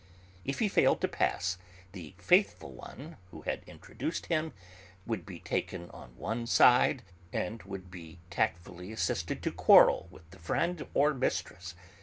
If he failed to pass, the faithful one who had introduced him would be taken on one side, and would be tactfully assisted to quarrel with the friend or mistress.